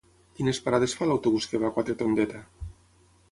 Quines parades fa l'autobús que va a Quatretondeta?